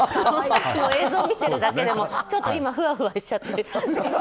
映像を見ているだけでも今、ふわふわしちゃって。